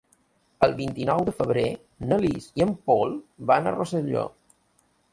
El vint-i-nou de febrer na Lis i en Pol van a Rosselló.